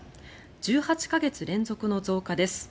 １８か月連続の増加です。